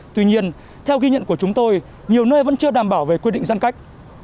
tuy nhiên theo ghi nhận của chúng tôi nhiều nơi vẫn chưa đảm bảo về quy định giãn cách